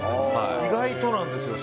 意外となんですよ。